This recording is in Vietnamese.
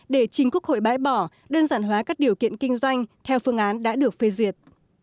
để chính quốc hội bãi bỏ đơn giản hóa các điều kiện kinh doanh theo phương án đã được phê duyệt